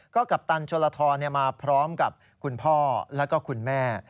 ก็กัปตันโชลทรมาพร้อมกับคุณพ่อแล้วก็คุณแม่